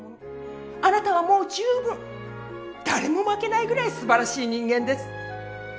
あなたはもう十分誰も負けないぐらいすばらしい人間です。